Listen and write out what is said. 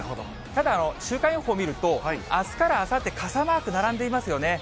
ただ週間予報見ると、あすからあさって、傘マーク並んでいますよね。